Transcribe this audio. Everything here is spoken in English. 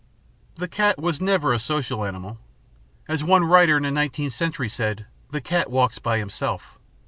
"The cat was never a social animal. As one writer in the nineteenth century said, the cat walks by himself.